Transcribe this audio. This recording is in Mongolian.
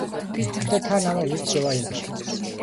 Гэхдээ та намайг эрж яваа юм биш биз?